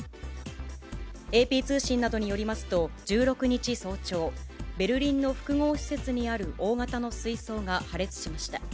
ＡＰ通信などによりますと、１６日早朝、ベルリンの複合施設にある大型の水槽が破裂しました。